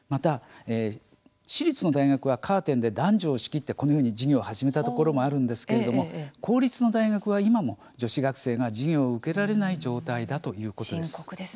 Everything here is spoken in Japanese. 私立の大学はこのようにカーテンで男女を仕切って授業を始めたところもありますが公立の大学は、今も女子学生が授業を受けられない状態だということです。